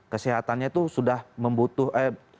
kesehatannya itu sudah membutuhkan